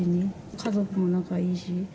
家族も仲いいし。